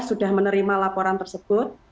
sudah menerima laporan tersebut